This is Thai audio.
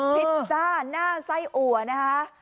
พิซซ่าหน้าไส้อัวนะคะ